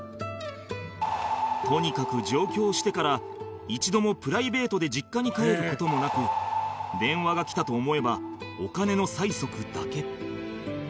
とにかく上京してから一度もプライベートで実家に帰る事もなく電話がきたと思えばお金の催促だけ